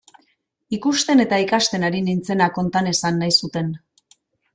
Ikusten eta ikasten ari nintzena konta nezan nahi zuten.